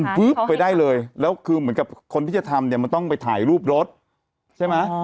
ปุ๊บไปได้เลยแล้วคือเหมือนกับคนที่จะทำเนี่ยมันต้องไปถ่ายรูปรถใช่ไหม